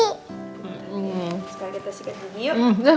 sekali kita sikat gigi yuk